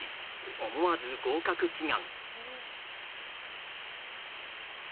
思わず合格祈願。